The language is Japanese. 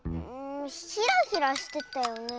ヒラヒラしてたよね。